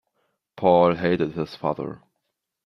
Paul hated his father.